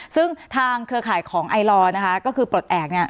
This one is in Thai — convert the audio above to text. ซึ่งทางเครือข่ายของไอลอร์นะคะก็คือปลดแอบเนี่ย